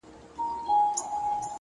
زه زما او ستا و دښمنانو ته ـ